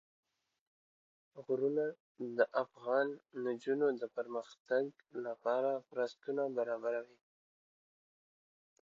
غرونه د افغان نجونو د پرمختګ لپاره فرصتونه برابروي.